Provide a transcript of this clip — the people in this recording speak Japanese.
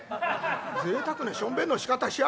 「ぜいたくなしょんべんのしかたしやがったね」。